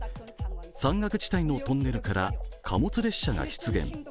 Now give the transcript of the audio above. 山岳地帯のトンネルから貨物列車が出現。